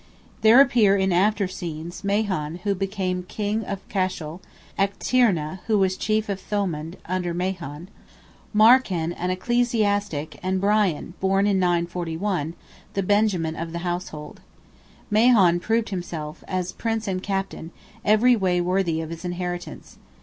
There appear in after scenes, Mahon, who became King of Cashel; Echtierna, who was chief of Thomond, under Mahon; Marcan, an ecclesiastic, and Brian, born in 941, the Benjamin of the household. Mahon proved himself, as Prince and Captain, every way worthy of his inheritance.